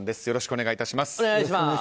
よろしくお願いします。